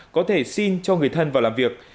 có thể xin cho người thân vào làm việc